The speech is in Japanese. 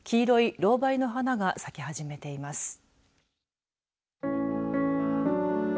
黄色いロウバイの花が咲き始めています。